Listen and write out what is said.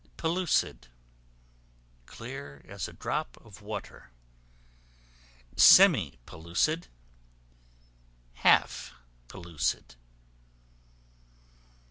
Pellucid, clear as a drop of water. Semi pellucid, half pellucid.